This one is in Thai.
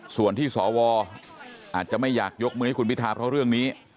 ส่วนที่สวอาจจะไม่อยากยกมือให้คุณพิทาเพราะเรื่องนี้